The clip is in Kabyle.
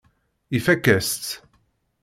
Ifakk-as-tt.